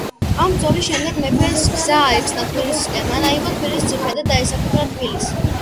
ამ ბრძოლის შემდეგ მეფეს გზა გაეხსნა თბილისისკენ, მან აიღო თბილისის ციხე და დაესაკუთრა თბილის.